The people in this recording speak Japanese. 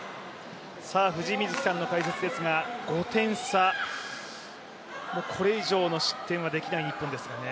藤井瑞希さんの解説ですが５点差、これ以上の失点はできない日本ですね。